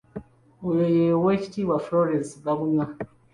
Oyo ye weekitiibwa Frolence Bagunywa.